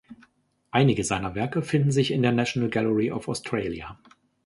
Einige seiner Werke finden sich in der National Gallery of Australia.